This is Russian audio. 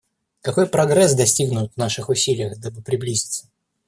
Какой прогресс достигнут в наших усилиях, дабы приблизиться.